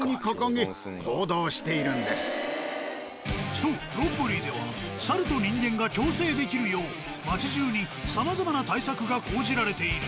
そうロッブリーでは猿と人間が共生できるよう町じゅうにさまざまな対策が講じられている。